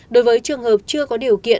đối với trường hợp chưa có điều kiện